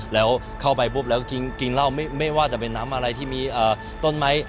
แล้วเข้าไปปุ๊บแล้วกินเหล้าไม่ว่าจะเป็นน้ำอะไรที่มีต้นไม้